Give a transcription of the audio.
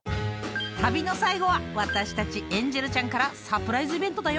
［旅の最後は私たちエンジェルちゃんからサプライズイベントだよ。